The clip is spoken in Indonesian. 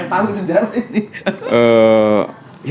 yang tahu sejarah ini